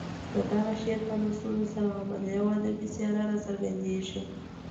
د دغه شعر په لوستلو سره علمي او ادبي څېره راڅرګندېږي.